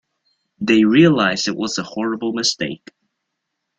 They realize it was a horrible mistake.